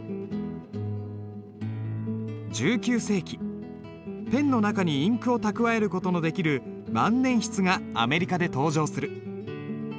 １９世紀ペンの中にインクを蓄える事のできる万年筆がアメリカで登場する。